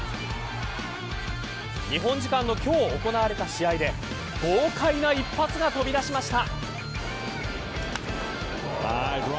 日本時間の今日行われた試合で豪快な一発が飛び出しました。